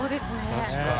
確かに。